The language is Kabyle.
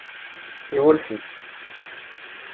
Iwulef-itt.